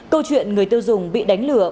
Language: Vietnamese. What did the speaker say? câu chuyện người tiêu dùng bị đánh lừa